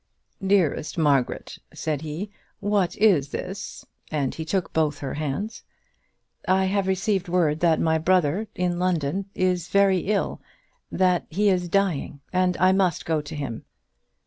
"Dearest Margaret," said he, "what is this?" and he took both her hands. "I have received word that my brother, in London, is very ill, that he is dying, and I must go to him."